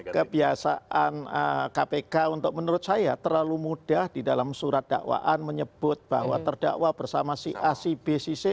kebiasaan kpk untuk menurut saya terlalu mudah di dalam surat dakwaan menyebut bahwa terdakwa bersama si a si b si c